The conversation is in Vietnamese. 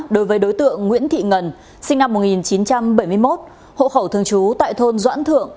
đối với đối tượng nguyễn thị ngân sinh năm một nghìn chín trăm bảy mươi một hộ khẩu thường trú tại thôn doãn thượng